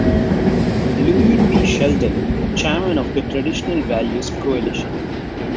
Louis P. Sheldon, chairman of the Traditional Values Coalition.